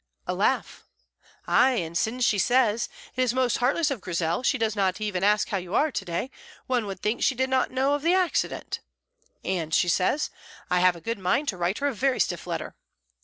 "A laugh!" "Ay, and syne she says, 'It is most heartless of Grizel; she does not even ask how you are to day; one would think she did not know of the accident'; and she says, 'I have a good mind to write her a very stiff letter.'